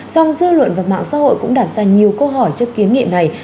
song dư luận và mạng xã hội cũng đặt ra nhiều câu hỏi trước kiến nghị này